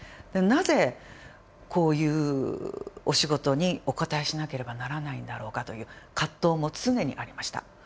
なぜこういうお仕事にお応えしなければならないんだろうかという葛藤も常にありました。